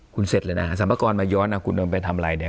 คุณเสร็จเลยนะสรรพากรมาย้อนคุณเอาไปทำอะไรเนี่ย